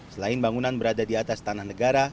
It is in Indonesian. selain bangunan berada di atas tanah negara